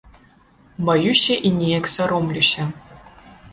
Баюся і неяк саромлюся.